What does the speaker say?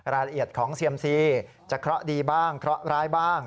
รายละเอียดของเซียมซีจะเคราะห์ดีบ้างเคราะหร้ายบ้าง